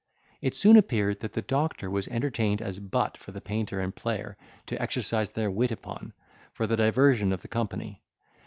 It soon appeared that the doctor was entertained as butt for the painter and player to exercise their wit upon, for the diversion of the company.